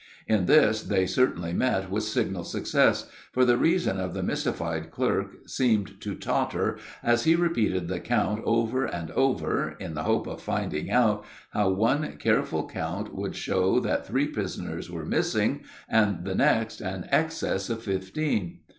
In this they certainly met with signal success, for the reason of the mystified clerk seemed to totter as he repeated the count over and over in the hope of finding out how one careful count would show that three prisoners were missing and the next an excess of fifteen.